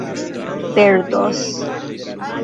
perdos